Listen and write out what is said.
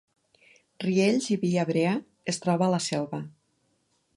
Riells i Viabrea es troba a la Selva